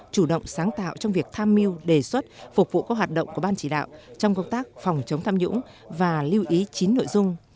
chủ động sáng tạo trong việc tham mưu đề xuất phục vụ các hoạt động của ban chỉ đạo trong công tác phòng chống tham nhũng và lưu ý chín nội dung